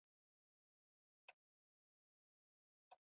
ستا څو سېپارې قرآن شريف په ياد دئ.